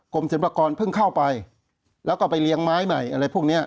ศิลปากรเพิ่งเข้าไปแล้วก็ไปเลี้ยงไม้ใหม่อะไรพวกนี้